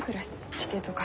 地形とか。